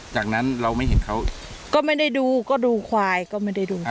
จากนั้นเราไม่เห็นเขาก็ไม่ได้ดูก็ดูควายก็ไม่ได้ดู